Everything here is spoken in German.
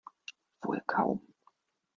Wohl kaum.